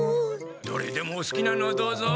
どれでもおすきなのをどうぞ。